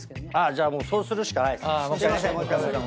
じゃあそうするしかないですね。